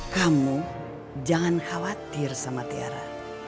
kamu jangan khawatir sama tiara